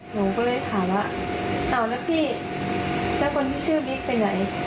หนูก็เลยถามว่าเจอกันที่ชื่อบี๊กไปไหน